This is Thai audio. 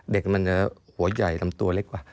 เด็กมันจะหัวใหญ่ลำตัวเล็กกว่า